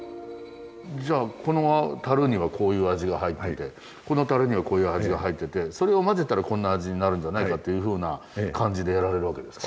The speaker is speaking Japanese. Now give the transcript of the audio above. じゃあこの樽にはこういう味が入っててこの樽にはこういう味が入っててそれを混ぜたらこんな味になるんじゃないかっていうふうな感じでやられるわけですか？